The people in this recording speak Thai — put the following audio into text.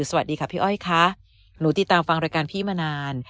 สวัสดีค่ะพี่อ้อยค่ะหนูติดตามฟังรายการพี่มานาน